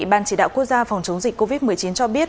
ban chỉ đạo quốc gia phòng chống dịch covid một mươi chín cho biết